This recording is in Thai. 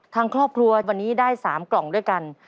ทางครอบครัววันนี้ได้๓กล่องด้วยกัน